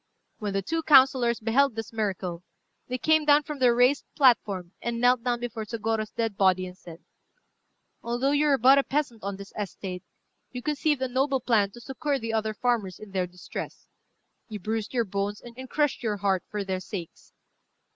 When the two councillors beheld this miracle, they came down from their raised platform, and knelt down before Sôgorô's dead body and said "Although you were but a peasant on this estate, you conceived a noble plan to succour the other farmers in their distress. You bruised your bones, and crushed your heart, for their sakes.